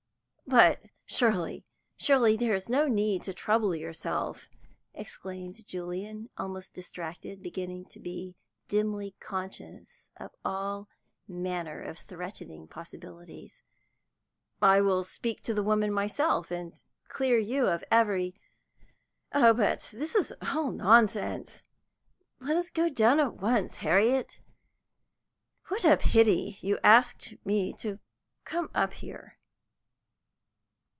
"But surely, surely there is no need to trouble yourself," exclaimed Julian, almost distracted, beginning to be dimly conscious of all manner of threatening possibilities. "I will speak to the woman myself, and clear you of every . Oh, but this is all nonsense. Let us go down at once, Harriet. What a pity you asked me to come up here!"